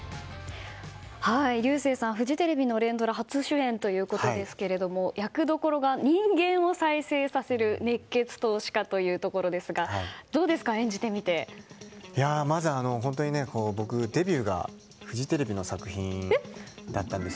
竜星さんはフジテレビの連ドラで初主演ですが役どころが、人間を再生させる熱血投資家というところですがまず、本当に僕はデビューがフジテレビの作品だったんです。